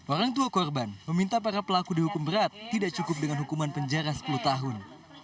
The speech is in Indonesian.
orang tua korban meminta para pelaku dihukum berat tidak cukup dengan hukuman penjara sepuluh tahun